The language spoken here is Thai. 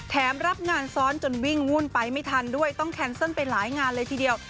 รับงานซ้อนจนวิ่งวุ่นไปไม่ทันด้วยต้องแคนเซิลไปหลายงานเลยทีเดียว